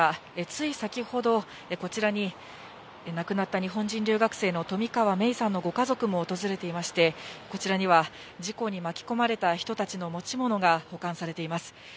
つい先ほど、こちらに亡くなった日本人留学生の冨川芽生さんのご家族も訪れていまして、こちらには、事故に巻き込まれた人たちの持ち物が保管されています。